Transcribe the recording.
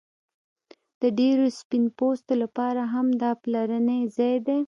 د ډیرو سپین پوستو لپاره هم دا پلرنی ځای دی